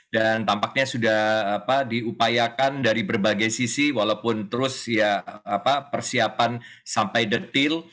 dan tampaknya sudah diupayakan dari berbagai sisi walaupun terus persiapan sampai detil